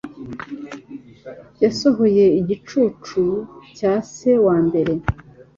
Yasohoye igicucu cya se wa mbere